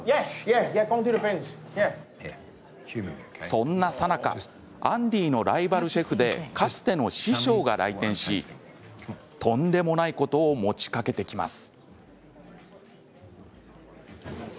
そんなさなかアンディのライバルシェフでかつての師匠が来店しとんでもないことを持ちかけてきます。